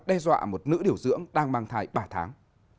đe dọa một nữ điều dưỡng đang mang thai ba tháng